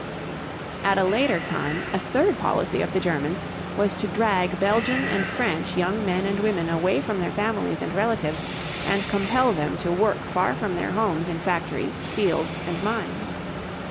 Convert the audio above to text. At a later time, a third policy of the Germans was to drag Belgian and French young men and women away from their families and relatives and compel them to work far from their homes in factories, fields, and mines.